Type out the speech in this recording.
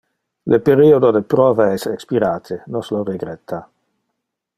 Le periodo de prova es expirate, nos lo regretta.